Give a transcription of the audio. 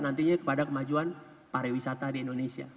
nantinya kepada kemajuan pariwisata di indonesia